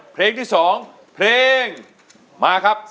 เพลงที่๒เพลงมาครับ